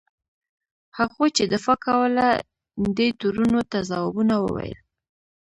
هغوی چې دفاع کوله دې تورونو ته ځوابونه وویل.